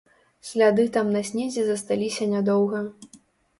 Сляды там на снезе засталіся нядоўга.